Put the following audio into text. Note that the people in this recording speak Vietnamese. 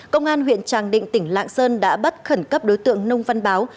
công an huyện tràng định tỉnh lạng sơn đã bắt khẩn cấp đối tượng nông văn báo